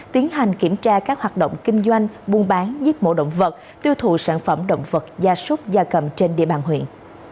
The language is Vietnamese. tiến hành kiểm tra các hoạt động kinh doanh buôn bán giết mổ động vật tiêu thụ sản phẩm động vật da súc da cầm trên địa bàn huyện